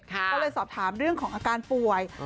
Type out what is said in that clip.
ก็เลยสอบถามเรื่องของอาการป่วย